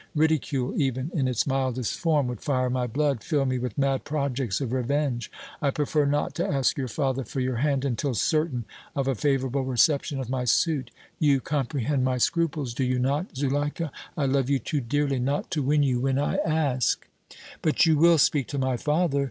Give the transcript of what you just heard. Ridicule, even in its mildest form, would fire my blood, fill me with mad projects of revenge. I prefer not to ask your father for your hand until certain of a favorable reception of my suit. You comprehend my scruples, do you not, Zuleika? I love you too dearly not to win you when I ask!" "But you will speak to my father?"